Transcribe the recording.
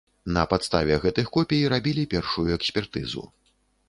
На падставе гэтых копій рабілі першую экспертызу.